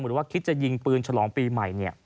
หรือว่าคิดจะยิงปืนฉลองปีใหม่